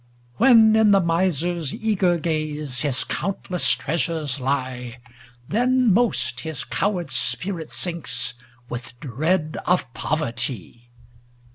When, in the miser's eager gaze, His countless treasures lie, Then most his coward spirit sinks, With dread of poverty.